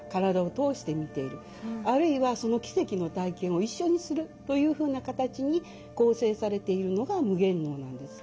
あるいはその奇跡の体験を一緒にするというふうな形に構成されているのが夢幻能なんです。